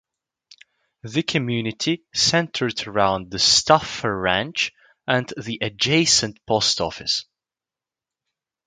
The community centered around the Stauffer ranch and the adjacent post office.